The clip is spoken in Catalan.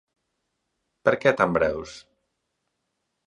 Per què tan breus?